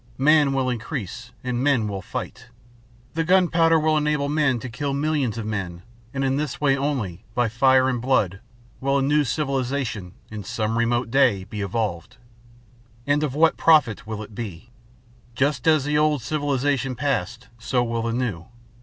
Man will increase, and men will fight. The gunpowder will enable men to kill millions of men, and in this way only, by fire and blood, will a new civilization, in some remote day, be evolved. And of what profit will it be? Just as the old civilization passed, so will the new.